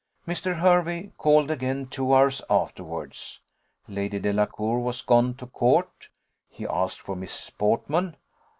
Mr. Hervey called again two hours afterwards. Lady Delacour was gone to court. He asked for Miss Portman.